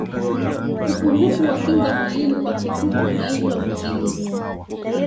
upungufu wa kinga mwilini kwa kifupi unaitwa ukimwi